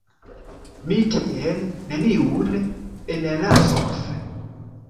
Mi tien neniun enlasos.